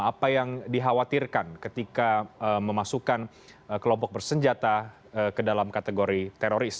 apa yang dikhawatirkan ketika memasukkan kelompok bersenjata ke dalam kategori teroris